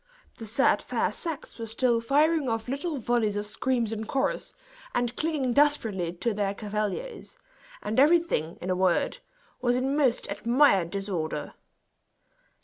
The said fair sex were still firing off little volleys of screams in chorus, and clinging desperately to their cavaliers; and everything, in a word, was in most admired disorder.